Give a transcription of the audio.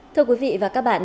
thưa quý vị và các bạn